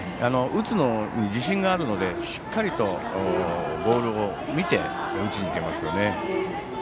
打つのに自信があるのでしっかりとボールを見て打ちに行けますよね。